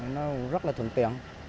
nó rất là thuận tiện